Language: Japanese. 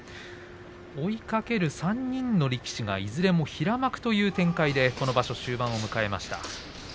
追いかける３人の力士がいずれも平幕という展開でこの場所終盤を迎えました。